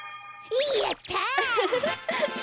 やった！